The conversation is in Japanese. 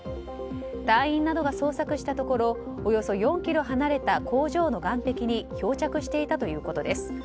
隊員などが捜索したところおよそ４ｋｍ離れた工場の岸壁に漂着していたということです。